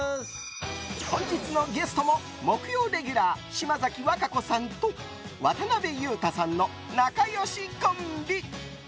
本日のゲストも木曜レギュラー島崎和歌子さんと渡辺裕太さんの仲良しコンビ！